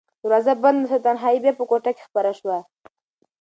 دروازه بنده شوه او تنهایي بیا په کوټه کې خپره شوه.